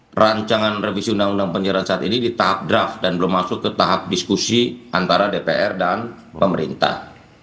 perancangan revisi undang undang penyiaran saat ini di tahap draft dan belum masuk ke tahap diskusi antara dpr dan pemerintah